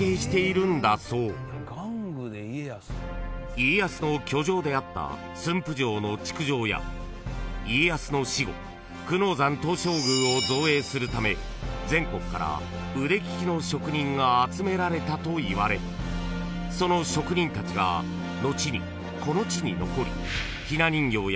［家康の居城であった駿府城の築城や家康の死後久能山東照宮を造営するため全国から腕利きの職人が集められたといわれその職人たちが後にこの地に残り］